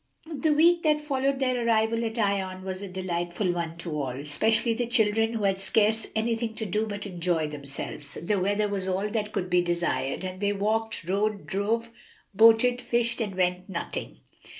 The week that followed their arrival at Ion was a delightful one to all, especially the children, who had scarce anything to do but enjoy themselves. The weather was all that could be desired, and they walked, rode, drove, boated, fished, and went nutting.